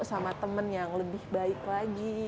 sama temen yang lebih baik lagi